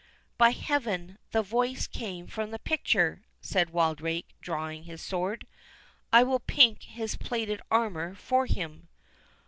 "By Heaven, the voice came from the picture," said Wildrake, drawing his sword; "I will pink his plated armour for him."